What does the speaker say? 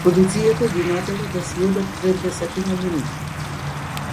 Полицијата ги натера да си одат пред десетина минути.